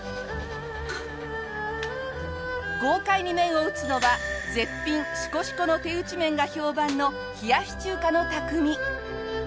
豪快に麺を打つのは絶品シコシコの手打ち麺が評判の冷やし中華の匠。